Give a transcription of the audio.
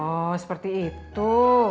oh seperti itu